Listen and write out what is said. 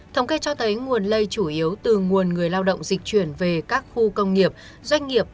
thống kê cho thấy nguồn lây chủ yếu từ nguồn người lao động dịch chuyển về các khu công nghiệp doanh nghiệp